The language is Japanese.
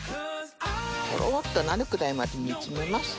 トロっとなるぐらいまで煮詰めます。